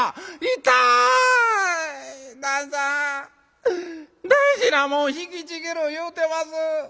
「痛い！旦さん大事なもん引きちぎる言うてます」。